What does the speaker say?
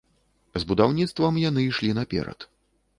З будаўніцтвам яны ішлі наперад.